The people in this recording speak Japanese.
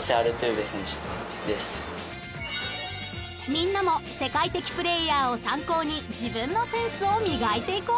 ［みんなも世界的プレーヤーを参考に自分のセンスを磨いていこう］